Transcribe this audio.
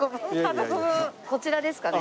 こちらですかね。